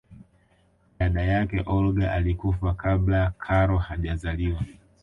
dada yake olga alikufa kabla karol hajazaliwa